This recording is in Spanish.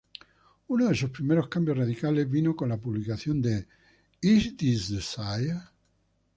Uno de sus primeros cambios radicales vino con la publicación de "Is This Desire?